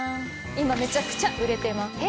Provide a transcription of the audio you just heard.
今めちゃくちゃ売れてます。